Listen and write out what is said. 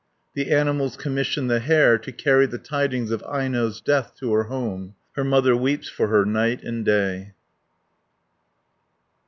The animals commission the hare to carry the tidings of Aino's death to her home (371 434). Her mother weeps for her night and day (435 518).